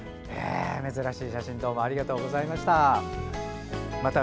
珍しい写真どうもありがとうございました。